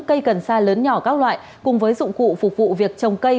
cây cần sa lớn nhỏ các loại cùng với dụng cụ phục vụ việc trồng cây